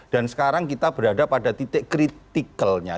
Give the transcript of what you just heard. dan sekarang kita berada pada titik criticalnya